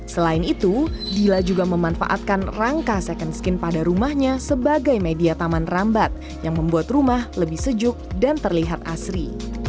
selain itu dila juga memanfaatkan rangka second skin pada rumahnya sebagai media taman rambat yang membuat rumah lebih sejuk dan terlihat asri